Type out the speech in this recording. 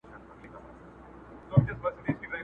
لوى خانان او مالداران يې پاچاهان وه؛